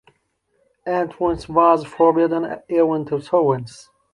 Entrance was forbidden even to servants.